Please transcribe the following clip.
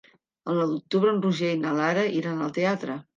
El nou d'octubre en Roger i na Lara iran al teatre.